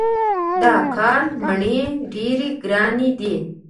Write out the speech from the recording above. دا کال مڼې ډېرې ګرانې دي.